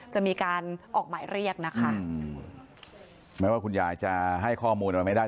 จะมีการออกหมายเรียกนะคะแม้ว่าคุณยายจะให้ข้อมูลอะไรไม่ได้